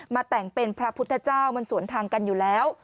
แต่งเป็นพระพุทธเจ้ามันสวนทางกันอยู่แล้ว